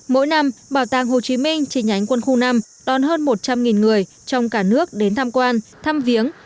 mỗi năm bảo tàng hồ chí minh trên nhánh quân khu năm đón hơn một trăm linh người trong cả nước đến tham quan thăm viếng